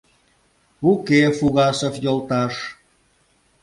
«Уке, Фугасов йолташ!..